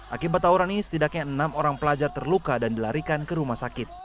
akibat tawuran ini setidaknya enam orang pelajar terluka dan dilarikan ke rumah sakit